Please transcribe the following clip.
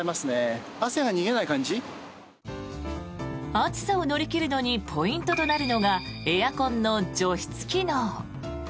暑さを乗り切るのにポイントとなるのがエアコンの除湿機能。